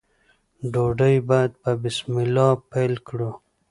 ډوډۍ باید په بسم الله پیل کړو.